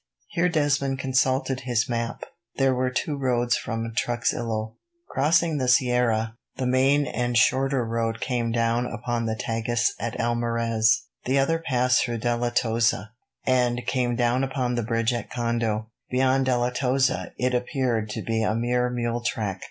Here Desmond consulted his map. There were two roads from Truxillo. Crossing the sierra, the main and shorter road came down upon the Tagus at Almarez. The other passed through Deleytoza, and came down upon the bridge at Condo. Beyond Deleytoza it appeared to be a mere mule track.